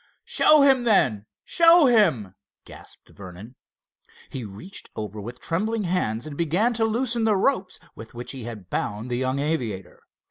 "Show him, then! show him!" gasped Vernon. He reached over with trembling hands and began to loosen the ropes with which he had bound the young aviator.